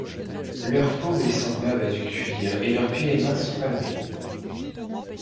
Leur peau est semblable à du cuir et leurs pieds et mains sont palmés.